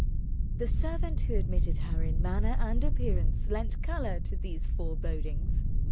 The servant who admitted her in manner and appearance lent colour to these forebodings.